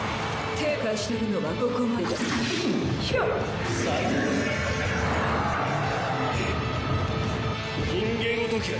手を貸してやるのはここまでだ。